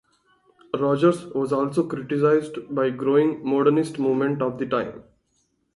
Rogers was also criticized by the growing Modernist movement of the time.